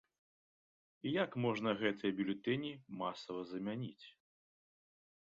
І як можна гэтыя бюлетэні масава замяніць?!